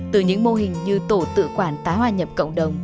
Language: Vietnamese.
từ những mô hình như tổ tự quản tái hòa nhập cộng đồng